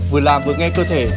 vừa làm vừa nghe cơ thể